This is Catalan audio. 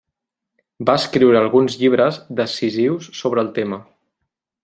Va escriure alguns llibres decisius sobre el tema.